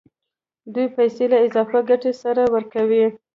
دوی پیسې له اضافي ګټې سره ورکوي